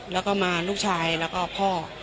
แล้วก็มาลูกชายแล้วก็พ่อ